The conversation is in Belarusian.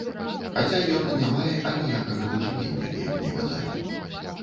Хаця ён не мае аніякага дачынення, як мне казалі.